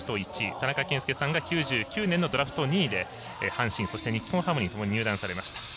田中賢介さんが９９年のドラフト２位で阪神、日本ハムに入団されました。